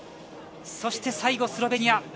そして最後、スロベニア。